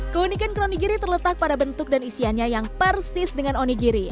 keunikan kronigiri terletak pada bentuk dan isiannya yang persis dengan onigiri